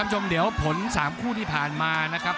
ช่องเดี๋ยวผล๓คู่ที่ผ่านมานะครับ